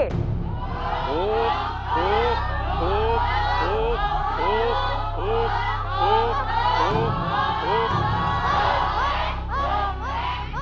ถูกถูกถูกถูก